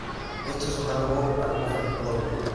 Esto es análogo al buffer doble.